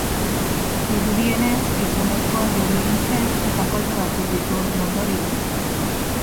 Dirudienez, gizonezkoa erori egin zen, eta kolpe batzuk ditu horren ondorioz.